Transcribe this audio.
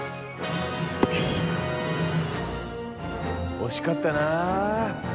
惜しかったな！